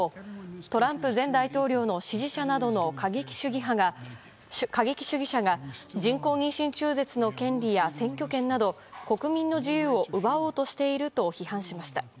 トランプ前大統領の支持者などの過激主義者が人工妊娠中絶の権利や選挙権など国民の自由を奪おうとしていると批判しました。